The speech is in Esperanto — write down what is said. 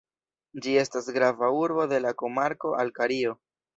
Ĝi estas grava urbo de la komarko Alkario.